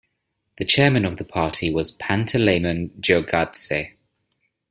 The chairman of the party was Panteleimon Giorgadze.